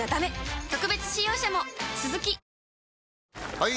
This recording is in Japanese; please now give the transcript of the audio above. ・はい！